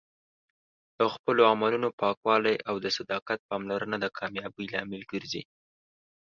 د خپلو عملونو پاکوالی او د صداقت پاملرنه د کامیابۍ لامل ګرځي.